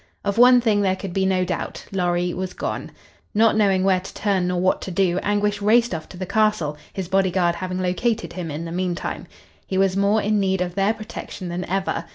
Of one thing there could be no doubt: Lorry was gone. Not knowing where to turn nor what to do, Anguish raced off to the castle, his bodyguard having located him in the meantime. He was more in need of their protection than ever.